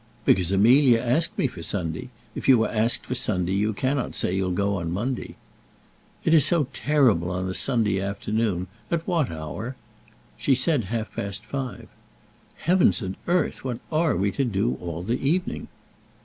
"] "Because Amelia asked me for Sunday. If you are asked for Sunday, you cannot say you'll go on Monday." "It is so terrible on a Sunday afternoon. At what hour?" "She said half past five." "Heavens and earth! What are we to do all the evening?"